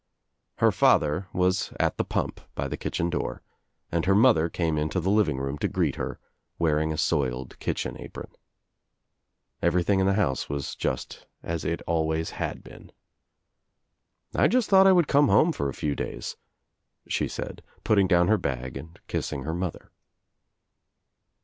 Her father was at the pump by the kitchen door and her mother came into the living room to greet her wearing a soiled kitchen apron. Every thing in the house was just as it always had been. "I just thought I would come home for a few days," 'she said, putting down her bag and kissing her mother.